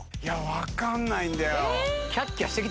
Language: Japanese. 分かんないんだよ。